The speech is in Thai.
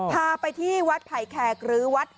พาไปที่วัฒน์ไผ่แคกหรือวัฒน์